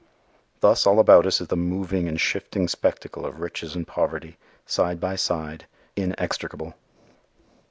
Thus all about us is the moving and shifting spectacle of riches and poverty, side by side, inextricable.